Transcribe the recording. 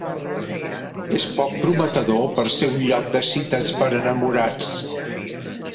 És poc prometedor per ser un lloc de cites per enamorats.